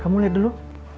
kamu liat dulu